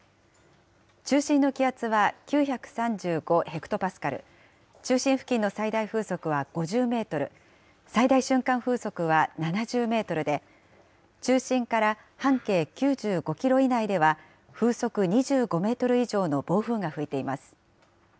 中心の気圧は９３５ヘクトパスカル、中心付近の最大風速は５０メートル、最大瞬間風速は７０メートルで、中心から半径９５キロ以内では、風速２５メートル以上の暴風が吹いています。